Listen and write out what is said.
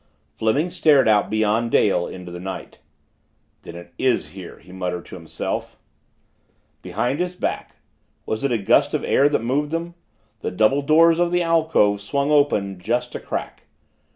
Fleming stared out beyond Dale, into the night. "Then it is here," he muttered to himself. Behind his back was it a gust of air that moved them? the double doors of the alcove swung open just a crack.